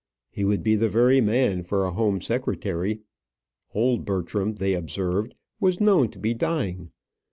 He would be the very man for a home secretary. Old Bertram, they observed, was known to be dying.